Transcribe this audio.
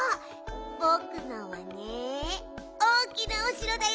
ぼくのはねおおきなおしろだよ。